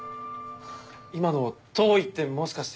今の「遠い」ってもしかして。